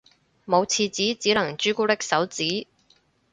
冇廁紙只能朱古力手指